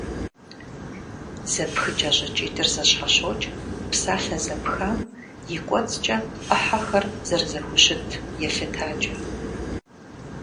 Зэпхыкӏэ щӏыкӏитӏыр зэщхьэщокӏ псалъэ зэпхам и кӏуэцӏкӏэ ӏыхьэхэр зэрызэхущыт елъытакӏэ.